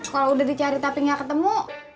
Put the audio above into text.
kalau udah dicari tapi nggak ketemu